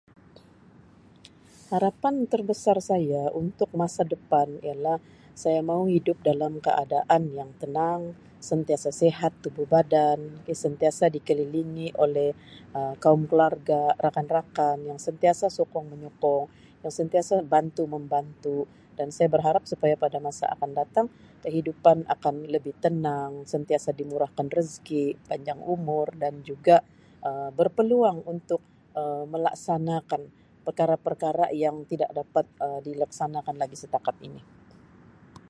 Harapan terbesar saya untuk masa depan ialah saya mau hidup dalam keadaan yang tenang sentiasa sihat tubuh badan ok sentiasa dikelilingi oleh Um kaum keluarga rakan-rakan yang sentiasa sokong menyokong yang sentiasa bantu membantu dan saya berharap supaya pada masa akan datang kehidupan akan lebih tenang sentiasa dimurahkan rezeki panjang umur dan juga Um berpeluang untuk Um melaksanakan perkara-perkara yang tidak dapat Um dilaksanakan lagi setakat ini.